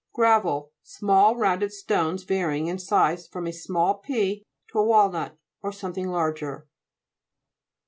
GRA'VEL Small rounded stones vary ing in size from a small pea to a walnut, or something larger.